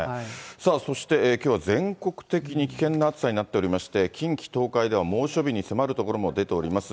さあそして、きょうは全国的に危険な暑さになっておりまして、近畿、東海では猛暑日に迫る所も出ております。